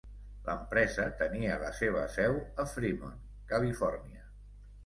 L'empresa tenia la seva seu a Fremont, Califòrnia.